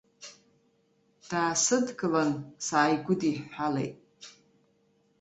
Даасыдгылан, сааигәыдиҳәҳәалеит.